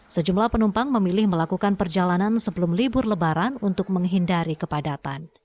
sejumlah penumpang memilih melakukan perjalanan sebelum libur lebaran untuk menghindari kepadatan